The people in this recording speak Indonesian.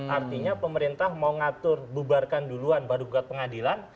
artinya pemerintah mau ngatur bubarkan duluan baru buat pengadilan